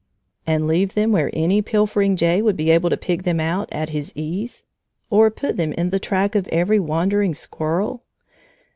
And leave them where any pilfering jay would be able to pick them out at his ease? Or put them in the track of every wandering squirrel?